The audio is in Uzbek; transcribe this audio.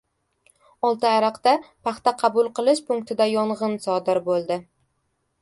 Oltiariqda paxta qabul qilish punktida yong‘in sodir bo‘ldi